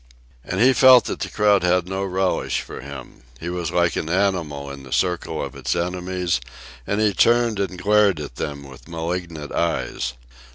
And he felt that the crowd had no relish for him. He was like an animal in the circle of its enemies, and he turned and glared at them with malignant eyes.